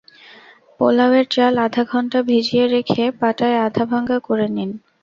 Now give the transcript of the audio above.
পোলাওয়ের চাল আধা ঘণ্টা ভিজিয়ে রেখে পাটায় আধা ভাঙা করে নিন।